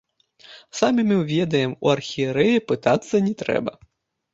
Самі мы ведаем, у архірэя пытацца не трэба.